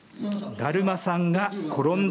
だるまさんが転んだ。